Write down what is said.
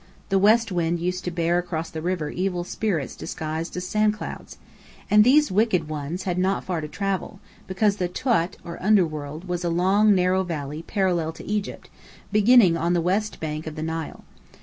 The west wind used to bear across the river evil spirits disguised as sand clouds. And these wicked ones had not far to travel, because the Tuat, or Underworld, was a long narrow valley parallel to Egypt, beginning on the west bank of the Nile.